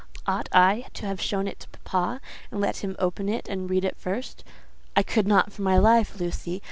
Ought I to have shown it to papa, and let him open it and read it first? I could not for my life, Lucy.